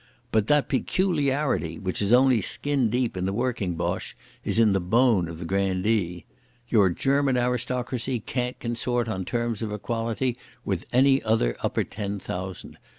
But that pecooliarity, which is only skin deep in the working Boche, is in the bone of the grandee. Your German aristocracy can't consort on terms of equality with any other Upper Ten Thousand.